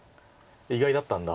意外だったんだ。